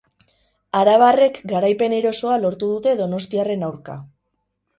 Arabarrek garaipen erosoa lortu dute donostiarren aurka.